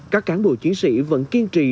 các cán bộ chiến sĩ vẫn kiên trì